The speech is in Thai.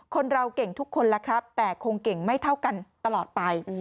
คนเราเก่งทุกคนแล้วครับแต่คงเก่งไม่เท่ากันตลอดไป